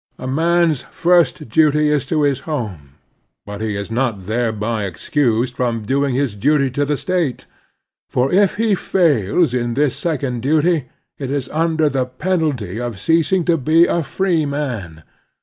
A man's first duty is to his own home, but he is not thereby excused from doing his duty to the State ; for if he fails in this second duty it is imder the penalty of x8 The Strenuous Life ceasing to be a freeman.